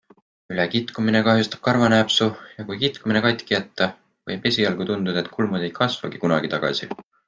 Ülekitkumine kahjustab karvanääpsu ja kui kitkumine katki jätta, võib esialgu tunduda, et kulmud ei kasvagi kunagi tagasi.